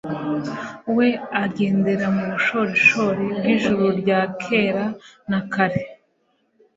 We ugendera mu bushorishori bw’ijuru rya kera na kare